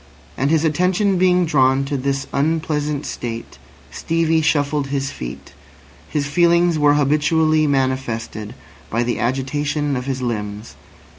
And his attention being drawn to this unpleasant state, Stevie shuffled his feet. His feelings were habitually manifested by the agitation of his limbs.